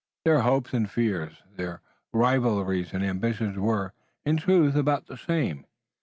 Their hopes and fears, their rivalries and ambitions were, in truth, about the same.